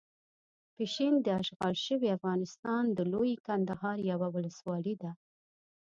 پشین داشغال شوي افغانستان د لويې کندهار یوه ولسوالۍ ده.